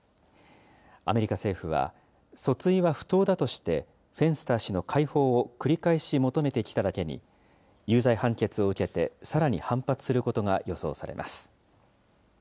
アメリカ政府は、訴追は不当だとして、フェンスター氏の解放を繰り返し求めてきただけに、有罪判決を受けて、さらに反発することが予想されます。